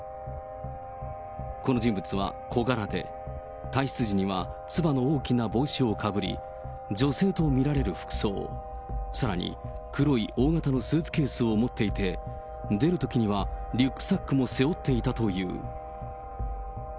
この人物は小柄で、退室時にはつばの大きな帽子をかぶり、女性と見られる服装、さらに黒い大型のスーツケースを持っていて、出るときには、リュックサックも背負っていたという。